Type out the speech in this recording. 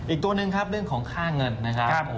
อีกตัวหนึ่งครับเรื่องของค่าเงินนะครับ